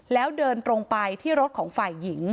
แล้วเดินตรงไปที่รถของฝ่ายหญิง